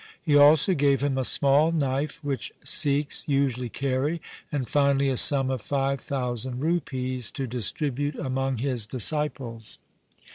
He also gave him a small knife which Sikhs usually carry, and finally a sum of five thousand rupees to distribute among his disciples.